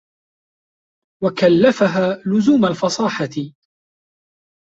وَكَلَّفَهَا لُزُومَ الْفَصَاحَةِ